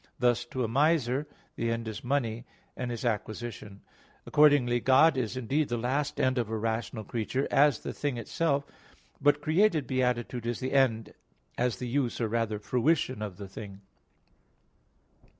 Thus to a miser the end is money, and its acquisition. Accordingly God is indeed the last end of a rational creature, as the thing itself; but created beatitude is the end, as the use, or rather fruition, of the thing.